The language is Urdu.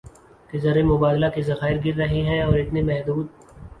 کہ زر مبادلہ کے ذخائر گر رہے ہیں اور اتنے محدود